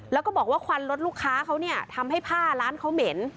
แล้วก็บอกว่าควันรถลูกค้าเขาเนี่ยทำให้ผ้าร้านเขาเหม็น